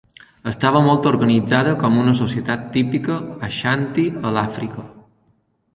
Estava molt organitzada com una societat típica ashanti a l'Àfrica.